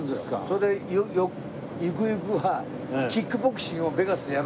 それでゆくゆくはキックボクシングをベガスでやろうとしたんです。